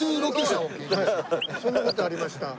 そんな事がありました。